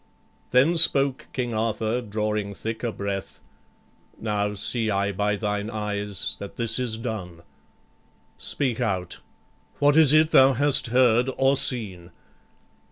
Then spoke King Arthur, drawing thicker breath: "Now see I by thine eyes that this is done. Speak out: what is it thou hast heard, or seen?"